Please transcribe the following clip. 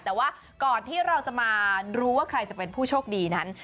แต่ว่าก่อนที่เราจะมารู้ว่าใครจะเป็นผู้โชคดีนั้น